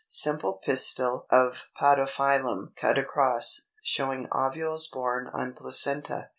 Simple pistil of Podophyllum, cut across, showing ovules borne on placenta.